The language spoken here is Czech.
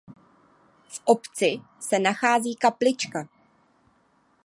V obci se nachází kaplička.